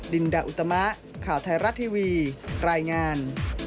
ดินดาอุตมะข่าวไทยรัฐทีวีรายงาน